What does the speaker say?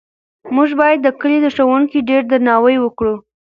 موږ باید د کلي د ښوونکي ډېر درناوی وکړو.